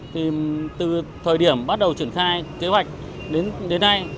thì từ thời điểm bắt đầu triển khai kế hoạch đến nay